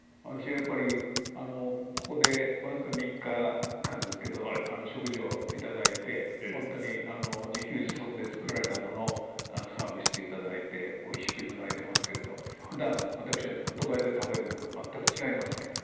やっぱりここで僅か３日間ですけど食事を頂いてほんとに自給自足で作られたものをサーブして頂いておいしく頂いてますけれどふだん私が都会で食べるものとは全く違いますけどね。